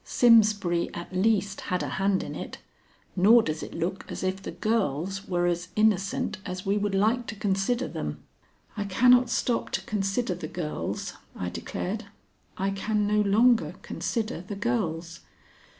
Simsbury, at least, had a hand in it, nor does it look as if the girls were as innocent as we would like to consider them." "I cannot stop to consider the girls," I declared. "I can no longer consider the girls."